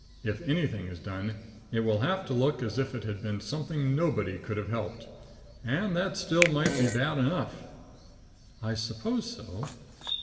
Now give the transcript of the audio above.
If anything is done, it will have to look as if it had been something nobody could have helped. And that still might be bad enough." "I suppose so.